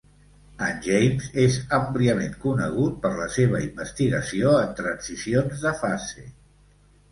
En James és àmpliament conegut per la seva investigació en transicions de fase.